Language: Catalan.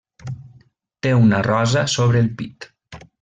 Té una rosa sobre el pit.